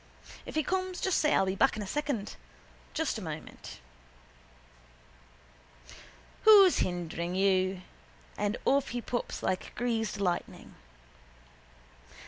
If he comes just say I'll be back in a second. Just a moment. Who's hindering you? And off he pops like greased lightning.